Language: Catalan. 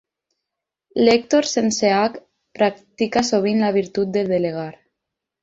L'Èctor sense hac practica sovint la virtut de delegar.